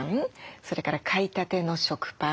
それから買いたての食パン。